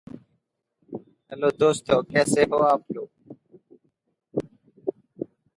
Perenchio was married three times and was separated from his third wife, Margaret Perenchio.